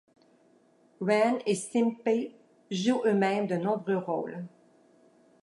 Ren et Stimpy jouent eux-mêmes de nombreux rôles.